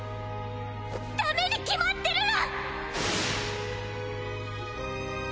ダメに決まってるら！